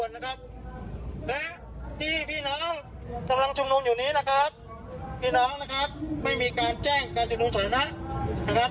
นะครับและที่พี่น้องกำลังชุมนุมอยู่นี้นะครับพี่น้องนะครับไม่มีการแจ้งการชุมนุมสถานะนะครับ